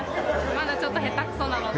まだちょっと下手くそなので。